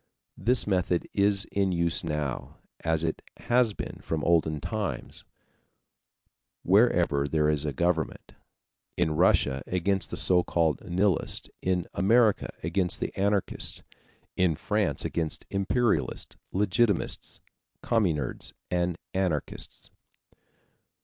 This method is in use now as it has been from olden times wherever there is a government: in Russia against the so called Nihilists, in America against Anarchists, in France against Imperialists, Legitimists, Communards, and Anarchists.